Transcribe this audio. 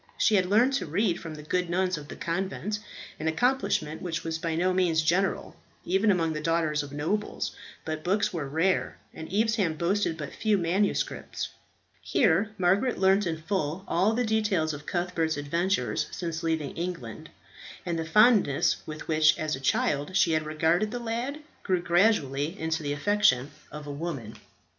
She had learnt to read from the good nuns of the convent an accomplishment which was by no means general, even among the daughters of nobles; but books were rare, and Evesham boasted but few manuscripts. Here Margaret learnt in full all the details of Cuthbert's adventures since leaving England, and the fondness with which as a child she had regarded the lad grew gradually into the affection of a woman.